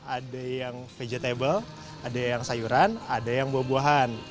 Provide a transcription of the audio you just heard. ada yang vegetable ada yang sayuran ada yang buah buahan